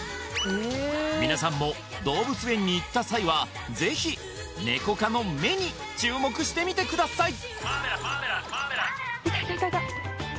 皆さんも動物園に行った際はぜひネコ科の目に注目してみてください！